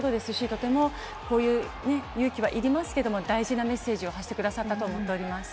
とても、こういう勇気はいりますけれども大事なメッセージを発してくださったと思っています。